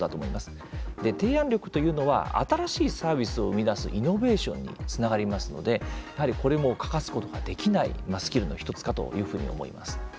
提案力というのは新しいサービスを生み出すイノベーションにつながりますのでやはり、これも欠かすことができないスキルの１つかというふうに思います。